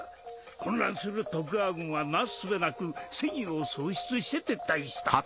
混乱する徳川軍はなすすべなく戦意を喪失して撤退した。